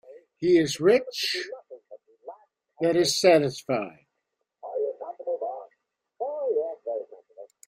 He is rich that is satisfied.